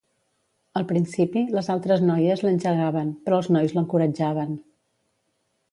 Al principi, les altres noies l'engegaven però els nois l'encoratjaven.